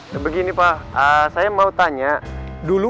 gue telpon papa surya dulu